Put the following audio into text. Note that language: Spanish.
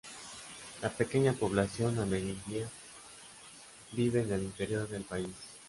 La pequeña población amerindia vive en el interior del país.